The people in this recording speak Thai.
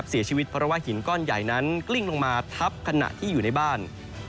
เสียชีวิตเพราะว่าหินก้อนใหญ่นั้นกลิ้งลงมาทับขณะที่อยู่ในบ้าน